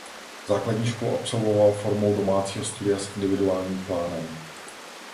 Základní školu absolvoval formou domácího studia s individuálním plánem.